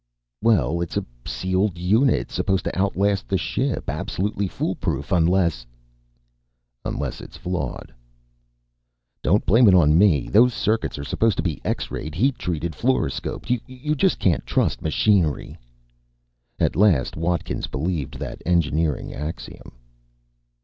"Well, it's a sealed unit. Supposed to outlast the ship. Absolutely foolproof, unless " "Unless it's flawed." "Don't blame it on me! Those circuits are supposed to be X rayed, heat treated, fluoroscoped you just can't trust machinery!" At last Watkins believed that engineering axiom.